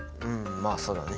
まあそうだね。